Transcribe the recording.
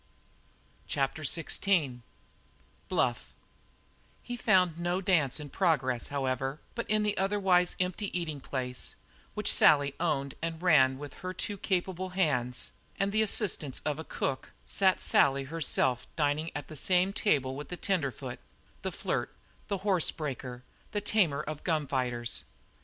CHAPTER XVI BLUFF He found no dance in progress, however, but in the otherwise empty eating place, which Sally owned and ran with her two capable hands and the assistance of a cook, sat Sally herself dining at the same table with the tenderfoot, the flirt, the horse breaker, the tamer of gun fighters.